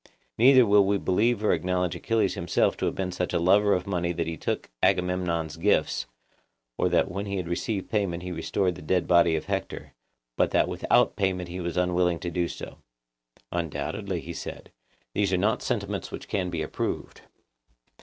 Neither will we believe or acknowledge Achilles himself to have been such a lover of money that he took Agamemnon's gifts, or that when he had received payment he restored the dead body of Hector, but that without payment he was unwilling to do so. Undoubtedly, he said, these are not sentiments which can be approved.